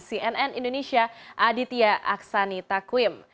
cnn indonesia aditya aksanita kuim